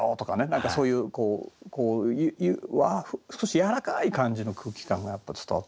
何かそういう少しやわらかい感じの空気感がやっぱ伝わってくるかな。